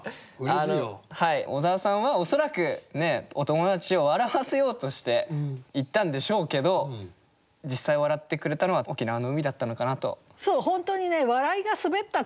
小沢さんは恐らくお友達を笑わせようとして行ったんでしょうけど実際笑ってくれたのは沖縄の海だったのかなと。